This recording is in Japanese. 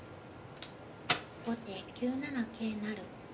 後手９七桂成。